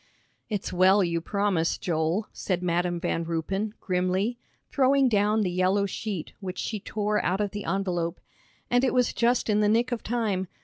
"It's well you promised, Joel," said Madam Van Ruypen, grimly, throwing down the yellow sheet, which she tore out of the envelope, "and it was just in the nick of time.